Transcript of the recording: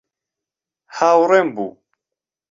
هاوڕێم بوو.